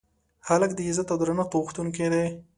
هلک د عزت او درنښت غوښتونکی دی.